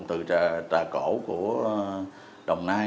từ trà cổ của đồng nai